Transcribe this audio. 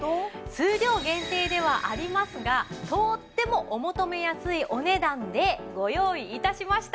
数量限定ではありますがとってもお求め安いお値段でご用意致しました。